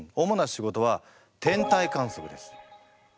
主な仕事は天体観測です。